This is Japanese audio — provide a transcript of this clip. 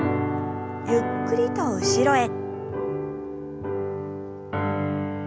ゆっくりと後ろへ。